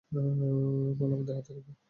মাল আমাদের হাতে থাকবে।